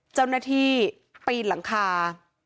เจ้าหน้าที่ปีนหลังคา